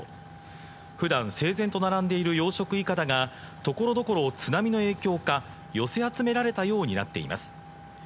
ふだん整然と並んでいる養殖いかだがところどころ津波の影響か、寄せ集められたようになっています。